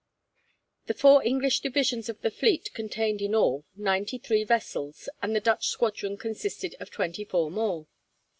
The four English divisions of the fleet contained in all ninety three vessels, and the Dutch squadron consisted of twenty four more.